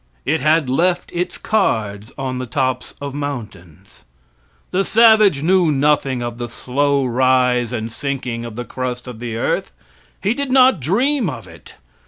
It had left its cards on the tops of mountains. The savage knew nothing of the slow rise and sinking of the crust of the earth. He did not dream of it.